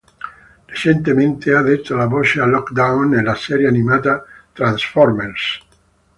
Recentemente ha dato la voce a Lockdown nella serie animata "Transformers".